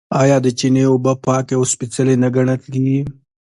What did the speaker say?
آیا د چینې اوبه پاکې او سپیڅلې نه ګڼل کیږي؟